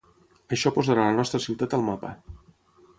Això posarà la nostra ciutat al mapa.